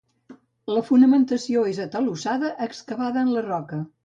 La fonamentació és atalussada, excavada en la roca.